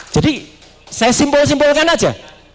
jadi saya simpul simpulkan aja